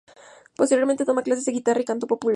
Posteriormente toma clases de guitarra y canto popular.